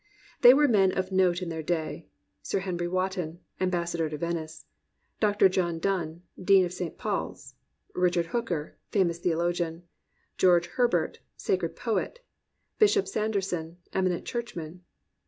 They were men of note in their day : Sir Henry Wotton, ambassador to Venice; Dr. John Donne, Dean of St. Paul's; Rich ard Hooker, famous theologian; George Herbert, sacred poet; Bishop Sanderson, eminent churchman.